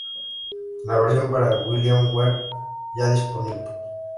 La versión para Wiiware ya está disponible.